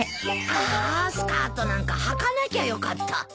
あスカートなんかはかなきゃよかった。